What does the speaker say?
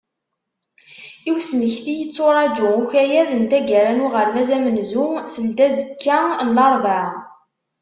I usemekti, yetturaǧu ukayad n taggara n uɣerbaz amenzu seldazekka n larebɛa.